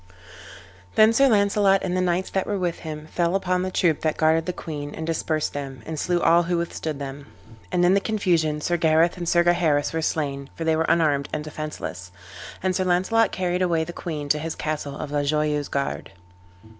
Then Sir Launcelot and the knights that were with him fell upon the troop that guarded the queen, and dispersed them, and slew all who withstood them. And in the confusion Sir Gareth and Sir Gaheris were slain, for they were unarmed and defenceless. And Sir Launcelot carried away the queen to his castle of La Joyeuse Garde.